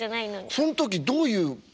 その時どういう。